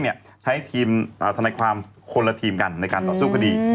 ใช้ทีมทนายความคนละทีมกันในการต่อสู้คดี